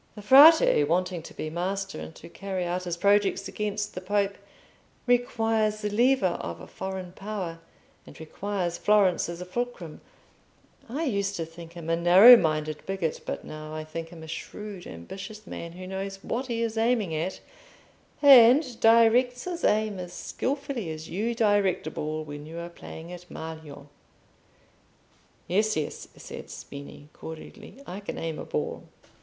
The Frate, wanting to be master, and to carry out his projects against the Pope, requires the lever of a foreign power, and requires Florence as a fulcrum. I used to think him a narrow minded bigot, but now, I think him a shrewd ambitious man who knows what he is aiming at, and directs his aim as skilfully as you direct a ball when you are playing at maglio." "Yes, yes," said Spini, cordially, "I can aim a ball."